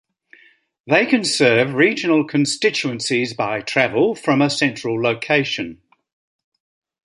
They can serve regional constituencies by travel from a central location.